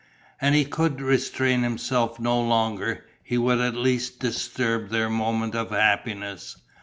And he could restrain himself no longer: he would at least disturb their moment of happiness.